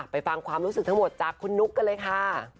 ฟังความรู้สึกทั้งหมดจากคุณนุ๊กกันเลยค่ะ